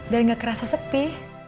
biar gak kerasa sepi